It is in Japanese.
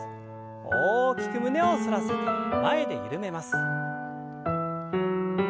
大きく胸を反らせて前で緩めます。